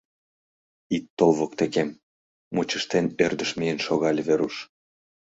— Ит тол воктекем! — мучыштен, ӧрдыш миен шогале Веруш.